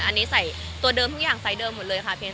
อันนี้ใส่ตัวเดิมทุกอย่างไซส์เดิมหมดเลยค่ะเพชร